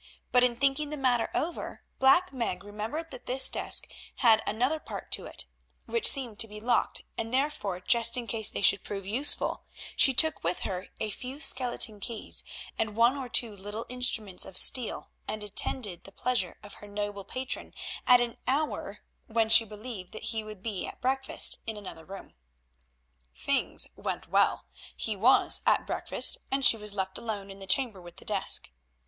But in thinking the matter over Black Meg remembered that this desk had another part to it, which seemed to be locked, and, therefore, just in case they should prove useful, she took with her a few skeleton keys and one or two little instruments of steel and attended the pleasure of her noble patron at an hour when she believed that he would be at breakfast in another room. Things went well; he was at breakfast and she was left alone in the chamber with the desk.